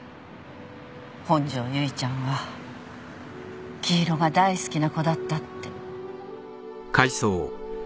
本庄結衣ちゃんは黄色が大好きな子だったって。